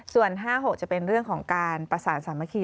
ส่วน๕๖จะเป็นเรื่องของการประสานสามัคคี